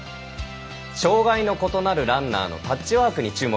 障がいの異なるランナーのタッチワークに注目。